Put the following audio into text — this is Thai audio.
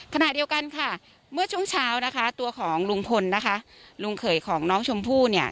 ขณะเดียวกันค่ะเมื่อช่วงเช้านะคะตัวของลุงพลนะคะลุงเขยของน้องชมพู่เนี่ย